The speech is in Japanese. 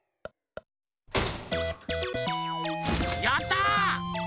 やった！